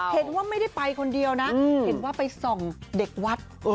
เห็นว่าไม่ได้ไปคนเดียวนะเห็นว่าไปส่องเด็กวัด